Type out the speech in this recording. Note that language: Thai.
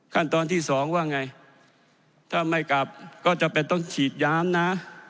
ขั้นตอนที่สองว่าไงถ้าไม่กลับก็จำเป็นต้องฉีดยามนะ